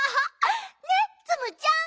ねっツムちゃん！